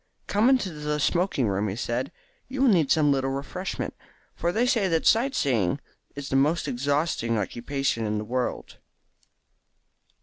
"Come into the smoking room," he said; "you will need some little refreshment, for they say that sight seeing is the most exhausting occupation in the world."